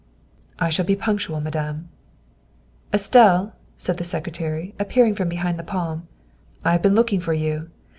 " I shall be punctual, Madame." " Estelle," said the Secretary, appearing from behind the palm, " I have been looking for you.